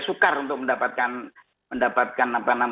sukar untuk mendapatkan